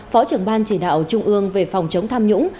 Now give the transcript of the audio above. phó trưởng ban chỉ đạo trung ương về phòng chống tham nhũng